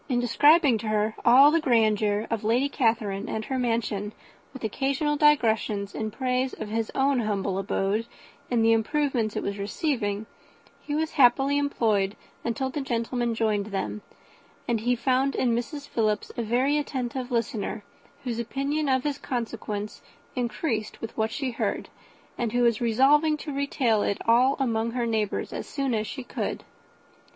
In describing to her all the grandeur of Lady Catherine and her mansion, with occasional digressions in praise of his own humble abode, and the improvements it was receiving, he was happily employed until the gentlemen joined them; and he found in Mrs. Philips a very attentive listener, whose opinion of his consequence increased with what she heard, and who was resolving to retail it all among her neighbours as soon as she could.